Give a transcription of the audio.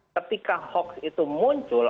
ketika hoax itu muncul